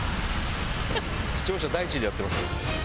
視聴者第一でやってます。